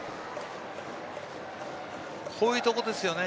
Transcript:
こういうところですよね。